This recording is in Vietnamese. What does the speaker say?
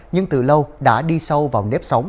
nhưng từ lâu đã đi sâu vào nếp sống